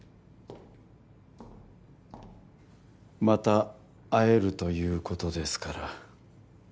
また会えるということですから。